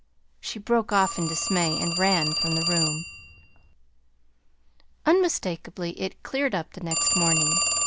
she broke off in dismay, and ran from the room. Unmistakably it "cleared up" the next morning.